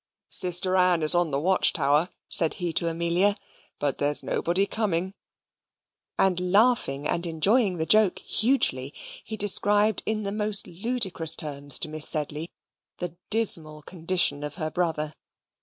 "Sister Anne is on the watch tower," said he to Amelia, "but there's nobody coming"; and laughing and enjoying the joke hugely, he described in the most ludicrous terms to Miss Sedley, the dismal condition of her brother.